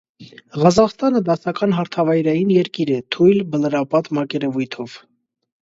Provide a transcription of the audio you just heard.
Ղազախստանը դասական հարթավայրային երկիր է, թույլ բլրապատ մակերևույթով։